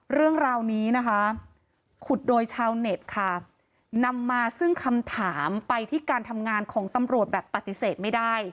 เรื่องราวนี้นะคะขุดโดยชาวเน็ตค่ะนำมาซึ่งคำถามไปที่การทำงานของตำรวจแบบปฏิเสธไม่ได้